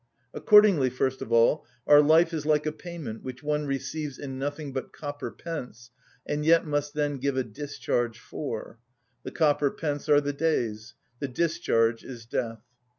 Accordingly, first of all, our life is like a payment which one receives in nothing but copper pence, and yet must then give a discharge for: the copper pence are the days; the discharge is death.